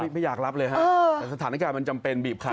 ไม่อยากรับเลยฮะแต่สถานการณ์มันจำเป็นบีบขาด